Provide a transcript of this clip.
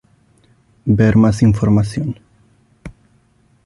Ver más información.